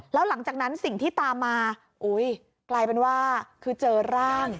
แล้วหลังจากนั้นสิ่งที่ตามมากลายเป็นว่าคือเจอร่าง